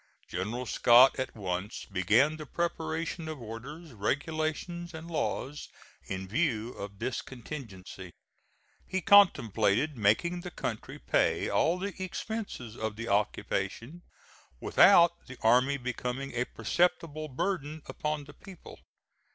General Scott at once began the preparation of orders, regulations and laws in view of this contingency. He contemplated making the country pay all the expenses of the occupation, without the army becoming a perceptible burden upon the people.